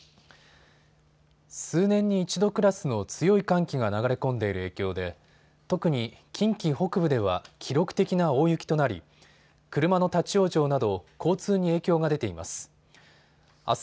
数年に一度クラスの強い寒気が流れ込んでいる影響で特に近畿北部では記録的な大雪となり車の立往生など交通に影響が出ています。